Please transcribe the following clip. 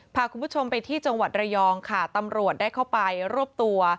พาคุณผู้ชมไปที่จังหวัดระยองค่ะตำรวจได้เข้าไปรวบตัว